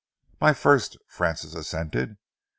"My first," Francis assented.